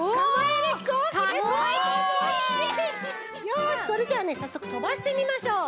よしそれじゃあねさっそくとばしてみましょう。